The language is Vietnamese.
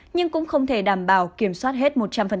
nhưng cũng không thể đảm bảo kiểm soát hết một trăm linh